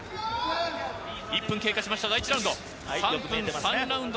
１分経過しました、第１ラウンド。